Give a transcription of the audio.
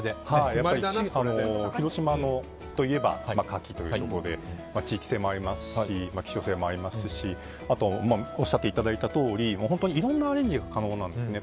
広島といえばカキというところで地域性もありますし希少性もありますしおっしゃっていただいたとおり本当にいろんなアレンジが可能なんですね。